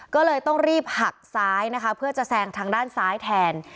ก็เลยต้องรีบหักซ้ายนะคะเพื่อจะแซงทางด้านซ้ายแทน